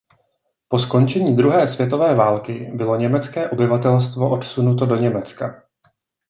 Po skončení druhé světové války bylo německé obyvatelstvo odsunuto do Německa.